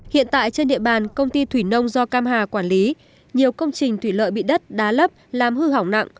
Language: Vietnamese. hiện tại trên địa bàn công ty thủy nông do cam hà quản lý nhiều công trình thủy lợi bị đất đá lấp làm hư hỏng nặng